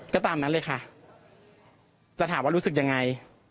ก็ตามนั้นเลยค่ะจะถามว่ารู้สึกยังไง